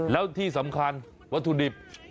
แล้วที่สำคัญวัตถุดิบ